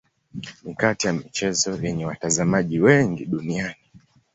Ni kati ya michezo yenye watazamaji wengi duniani.